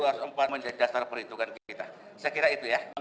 rp dua ratus empat menjadi dasar perhitungan kita saya kira itu ya